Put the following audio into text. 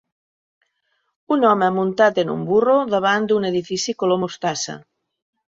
Un home muntat en un burro davant d'un edifici color mostassa.